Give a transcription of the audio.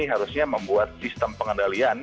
harusnya membuat sistem pengendalian